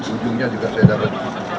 ujungnya juga saya dapat